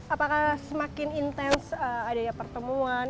apakah semakin intens adanya pertemuan